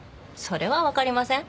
それはわかりません。